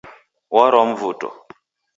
Warwa Mvuto